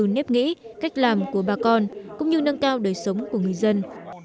nếp nghĩ cách làm của bà con cũng như nâng cao đời sống của người dân